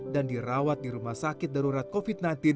dan dirawat di rumah sakit darurat covid sembilan belas